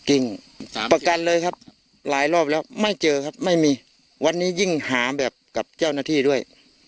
จริงประกันเลยครับหลายรอบแล้วไม่เจอครับไม่มีวันนี้ยิ่งหาแบบกับเจ้าหน้าที่ด้วย